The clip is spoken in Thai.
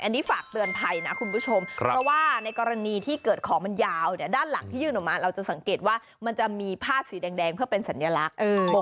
อันนี้ฝากเตือนภัยนะคุณผู้ชมเพราะว่าในกรณีที่เกิดของมันยาวเนี่ยด้านหลังที่ยื่นออกมาเราจะสังเกตว่ามันจะมีผ้าสีแดงเพื่อเป็นสัญลักษณ์